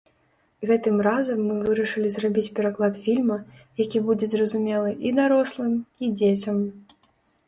Гэтым разам мы вырашылі зрабіць пераклад фільма, які будзе зразумелы і дарослым, і дзецям.